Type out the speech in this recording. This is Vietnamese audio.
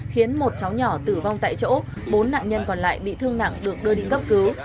khiến một cháu nhỏ tử vong tại chỗ bốn nạn nhân còn lại bị thương nặng được đưa đi cấp cứu